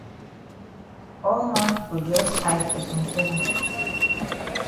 All man fon jus hide for some corner.